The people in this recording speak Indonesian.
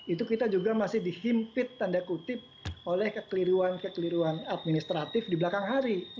itu kita juga masih dihimpit tanda kutip oleh kekeliruan kekeliruan administratif di belakang hari